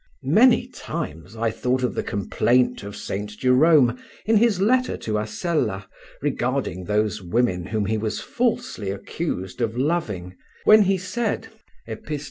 Many times I thought of the complaint of St. Jerome in his letter to Asella regarding those women whom he was falsely accused of loving, when he said (Epist.